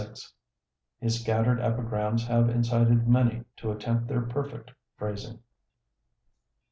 His scattered epigrams have incited many to attempt their perfect phrasing.